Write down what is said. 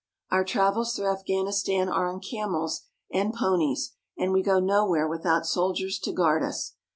Our travels through Afghanistan are on camels and ponies, and we go nowhere without soldiers to guard us.